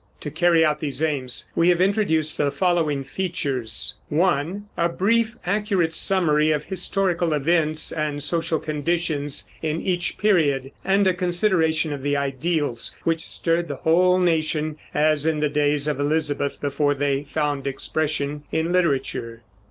To carry out these aims we have introduced the following features: (1) A brief, accurate summary of historical events and social conditions in each period, and a consideration of the ideals which stirred the whole nation, as in the days of Elizabeth, before they found expression in literature.